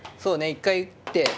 一回打って。